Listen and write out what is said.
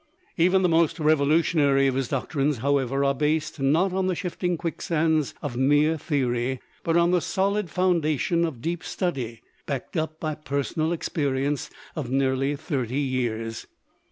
Even the most revolutionary of his doctrines, however, are based, not on the shifting quicksands of mere theory, but on the solid foundation of deep study, backed up by personal experience of nearly thirty years.